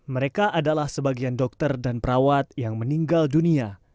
mereka adalah sebagian dokter dan perawat yang meninggal dunia